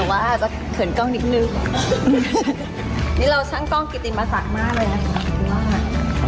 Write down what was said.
แต่ว่าอาจจะเขินกล้องนิดนึงนี่เราช่างกล้องกิตตีนมาสั่งมากเลยนะครับ